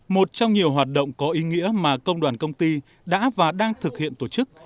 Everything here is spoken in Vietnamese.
một trong nhiều hoạt động có ý nghĩa mà công đoàn công ty đã và đang thực hiện tổ chức